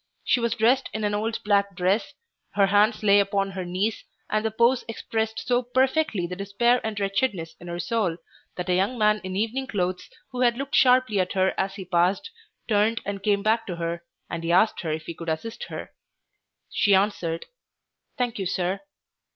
She was dressed in an old black dress, her hands lay upon her knees, and the pose expressed so perfectly the despair and wretchedness in her soul that a young man in evening clothes, who had looked sharply at her as he passed, turned and came back to her, and he asked her if he could assist her. She answered, "Thank you, sir."